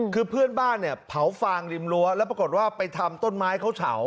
คือเพื่อนบ้านเนี่ยเผาฟางริมรั้วแล้วปรากฏว่าไปทำต้นไม้เขาเฉา